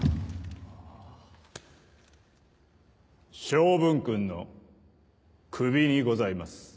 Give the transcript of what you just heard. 昌文君の首にございます。